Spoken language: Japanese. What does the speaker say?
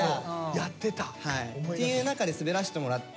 やってた！っていう中で滑らしてもらって。